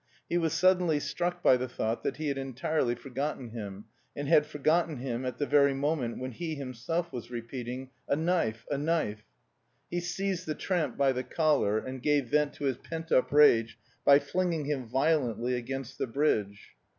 He was suddenly struck by the thought that he had entirely forgotten him, and had forgotten him at the very moment when he himself was repeating, "A knife, a knife." He seized the tramp by the collar and gave vent to his pent up rage by flinging him violently against the bridge.